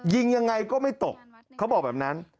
ยิงยังไงก็ไม่ตกเขาบอกแบบนั้น